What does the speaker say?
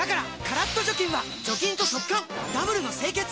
カラッと除菌は除菌と速乾ダブルの清潔！